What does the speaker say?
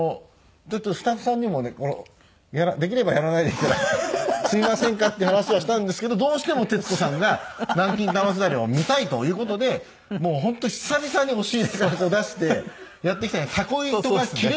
ずっとスタッフさんにもね「できればやらないで済みませんか？」っていう話はしたんですけどどうしても徹子さんが南京玉すだれを見たいという事で本当久々に押し入れから出してやって来たのでたこ糸が切れる可能性が大なんですね。